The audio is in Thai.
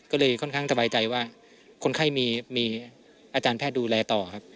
ก็เลยค่อนข้างสบายใจว่าคนไข้มีอาจารย์แพทย์ดูแลต่อครับ